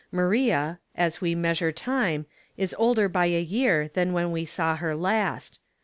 Maria, as we meas ure time, is older by a year than when we saw her last.